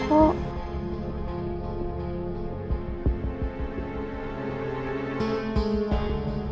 aku tuh pengen pake uang saya aja mbak